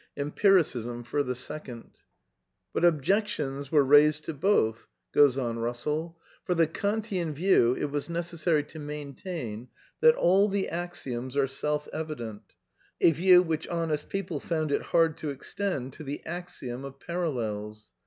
Empiricism for the second. " But objections were raised to both. For the Kantian view it was necessary to maintain that all the axioms are self evi dent, a view which honest people found it hard to extend to the axiom of parallels.